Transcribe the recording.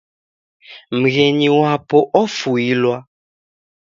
Mghenyu wapo ofuilwa.